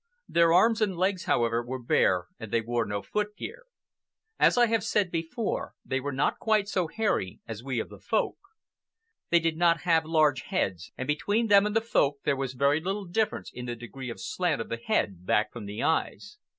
Their arms and legs, however, were bare, and they wore no footgear. As I have said before, they were not quite so hairy as we of the Folk. They did not have large heads, and between them and the Folk there was very little difference in the degree of the slant of the head back from the eyes.